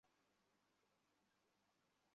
সেজন্য আমি চড়েছিলাম।